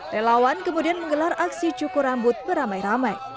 relawan kemudian menggelar aksi cukur rambut beramai ramai